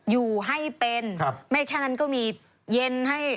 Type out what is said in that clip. อยู่ให้เป็นไม่แค่นั้นก็มีเย็นให้